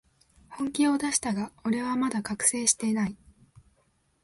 本気を出したが、俺はまだ覚醒してない